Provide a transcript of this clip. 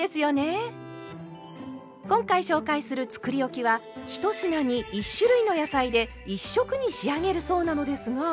今回紹介するつくりおきは１品に１種類の野菜で１色に仕上げるそうなのですが。